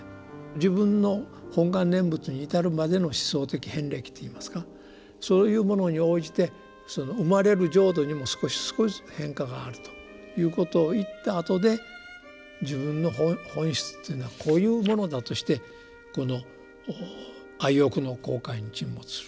自分の「本願念仏」に至るまでの思想的遍歴っていいますかそういうものに応じてその生まれる浄土にも少しずつ少しずつ変化があるということを言ったあとで自分の本質というのはこういうものだとしてこの「愛欲の広海に沈没する」と。